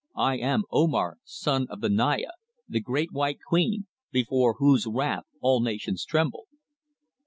I am Omar, son of the Naya, the Great White Queen, before whose wrath all nations tremble."